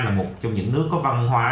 là một trong những nước có văn hóa